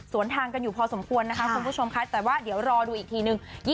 ส่วนทางกันอยู่พอสมควรนะคะคุณผู้ชมค่ะแต่ว่าเดี๋ยวรอดูอีกทีนึง